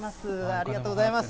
ありがとうございます。